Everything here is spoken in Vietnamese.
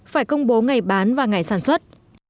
phải công bố ngày bán và ngày sản xuất